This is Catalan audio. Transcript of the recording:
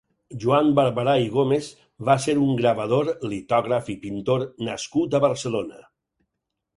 Joan Barbarà i Gómez va ser un gravador, litògraf i pintor nascut a Barcelona.